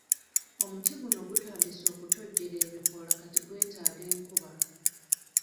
Omuti guno gutandise okutojjera ebikoola kati gwetaaga enkuba.